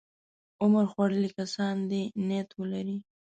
عمر خوړلي کسان دې نیت ولري.